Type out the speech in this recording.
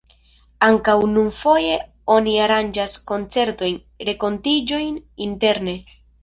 Ankaŭ nun foje oni aranĝas koncertojn, renkontiĝojn interne.